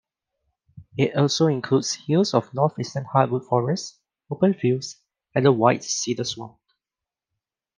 It also includes hills of Northeastern hardwood forest, open fields, and a white cedarswamp.